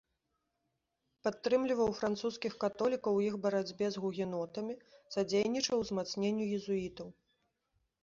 Падтрымліваў французскіх католікаў у іх барацьбе з гугенотамі, садзейнічаў узмацненню езуітаў.